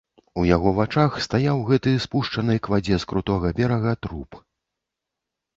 У яго вачах стаяў гэты спушчаны к вадзе з крутога берага труп.